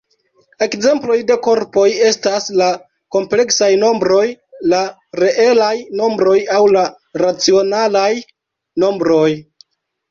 Ekzemploj de korpoj estas la kompleksaj nombroj, la reelaj nombroj aŭ la racionalaj nombroj.